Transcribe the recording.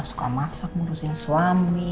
suka masak ngurusin suami